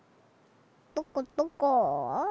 どこどこ？